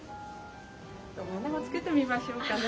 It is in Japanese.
これもつけてみましょうかね。